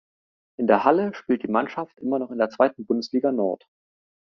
In der Halle spielt die Mannschaft immer noch in der Zweiten Bundesliga Nord.